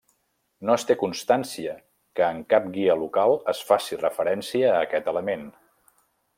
No es té constància que en cap guia local es faci referència a aquest element.